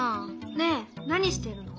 ねえ何してるの？